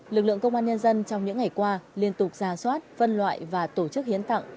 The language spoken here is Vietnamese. lực lượng công an nhân dân trong những ngày qua liên tục ra soát phân loại và tổ chức hiến tặng